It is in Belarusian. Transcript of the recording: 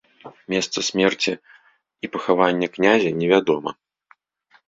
Месца смерці і пахавання князя невядома.